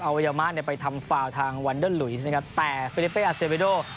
เอาเวยามานเนี่ยไปทำฟาวทางวันเดิ้ลหลุยนะครับแต่ฟิลิเปอร์อาเซลเวโด